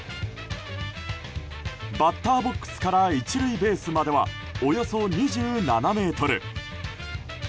バッターボックスから１塁ベースまではおよそ２７ｍ。